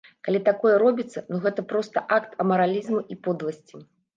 Калі такое робіцца, ну гэта проста акт амаралізму і подласці.